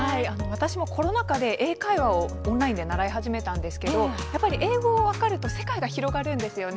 私もコロナ禍で英会話をオンラインで習い始めたんですが英語が分かると世界が広がるんですよね。